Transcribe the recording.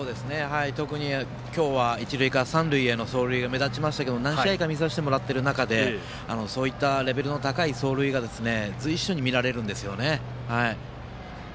特に今日は一塁から三塁への走塁が目立ちましたけど何試合か見させてもらっている中でそういったレベルの高い走塁が随所に見られるんですよね。